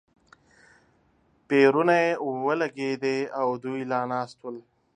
پېرونی ولګېدې او دوی لا ناست ول.